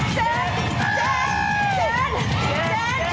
เจฟเจฟ